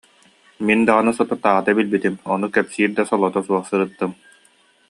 Мин даҕаны соторутааҕыта билбитим, ону кэпсиир да солото суох сырыттым